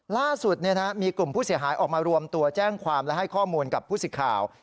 ล่าสุดมีกลุ่มผู้เสียหายออกมารวมตัวแจ้งความและให้ข้อมูลกับผู้สิทธิ์ข่าว